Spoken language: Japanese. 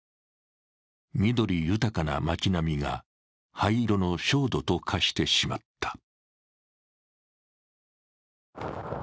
緑豊かな街並みが灰色の焦土と化してしまった。